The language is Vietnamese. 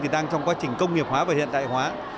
đang trong quá trình công nghiệp hóa và hiện đại hóa